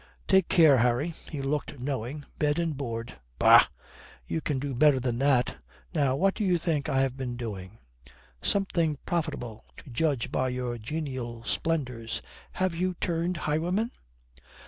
Take care, Harry." He looked knowing. "Bed and board bah, you can do better than that. Now what do you think I have been doing?" "Something profitable, to judge by your genial splendours. Have you turned highwayman?"